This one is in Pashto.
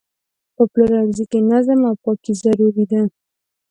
په پلورنځي کې نظم او پاکي ضروري ده.